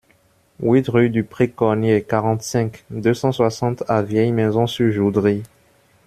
huit rue du Pré Cormier, quarante-cinq, deux cent soixante à Vieilles-Maisons-sur-Joudry